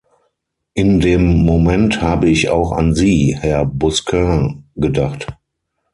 In dem Moment habe ich auch an Sie, Herr Busquin, gedacht.